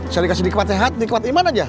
saya dikasih nikmat sehat nikmat iman aja